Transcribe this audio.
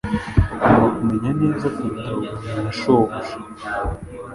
Ugomba kumenya neza kuruta kuganira na shobuja